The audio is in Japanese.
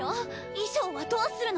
衣装はどうするの！？